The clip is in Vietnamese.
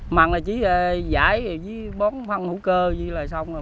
mặn là chỉ giải với bón phân hữu cơ vậy là xong rồi